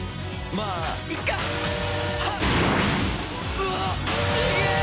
うわっすげえ！